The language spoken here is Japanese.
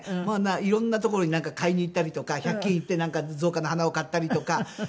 いろんな所に買いに行ったりとか１００均行って造花の花を買ったりとか。